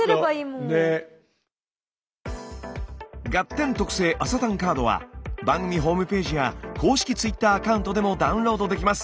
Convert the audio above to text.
ガッテン特製「朝たんカード」は番組ホームページや公式Ｔｗｉｔｔｅｒアカウントでもダウンロードできます。